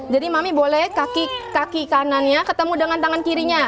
jadi mami boleh kaki kanannya ketemu dengan tangan kirinya